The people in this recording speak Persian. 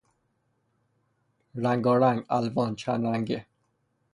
رنگارنگ، الوان، چند رنگه